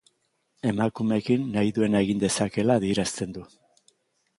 Emakumeekin nahi duena egin dezakeela adierazten du.